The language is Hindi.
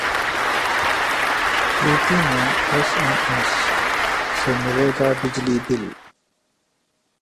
यूपी में एसएमएस से मिलेगा बिजली बिल